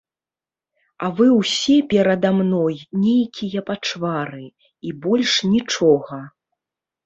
А вы ўсе перада мной нейкія пачвары, і больш нічога.